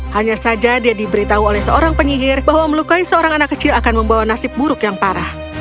hanya saja dia diberitahu oleh seorang penyihir bahwa melukai seorang anak kecil akan membawa nasib buruk yang parah